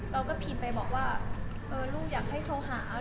เราก็พิมพ์ไปบอกว่าลูกอยากให้โทรหา